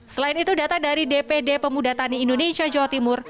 selain itu data dari dpd pemuda tani indonesia jawa timur